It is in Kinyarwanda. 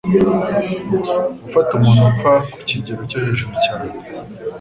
Gufata umuntu upfa ku kigero cyo hejuru cyane